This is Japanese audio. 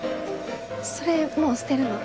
それもう捨てるの？